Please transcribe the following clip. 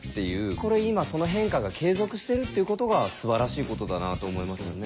これ今その変化が継続してるっていうことがすばらしいことだなと思いますよね。